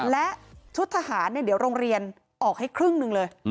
และชุดทหารเดี๋ยวโรงเรียนออกให้ครึ่งหนึ่งเลย